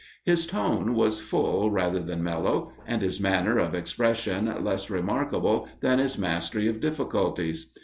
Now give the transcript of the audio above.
His tone was full rather than mellow; and his manner of expression less remarkable than his mastery of difficulties.